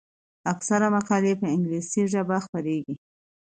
اکثره مقالې په انګلیسي ژبه خپریږي.